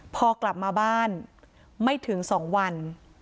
พอกลับมาบ้านไม่ถึง๒วัน